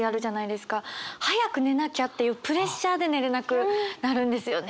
早く寝なきゃっていうプレッシャーで寝れなくなるんですよね。